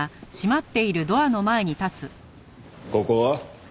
ここは？